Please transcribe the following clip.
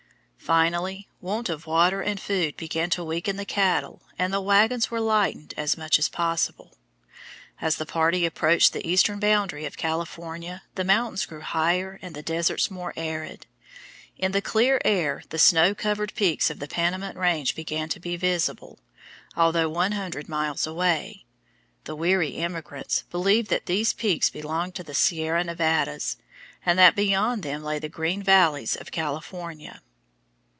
Finally want of water and food began to weaken the cattle and the wagons were lightened as much as possible. As the party approached the eastern boundary of California the mountains grew higher and the deserts more arid. In the clear air the snow covered peaks of the Panamint Range began to be visible, although one hundred miles away. The weary emigrants believed that these peaks belonged to the Sierra Nevadas, and that beyond them lay the green valleys of California.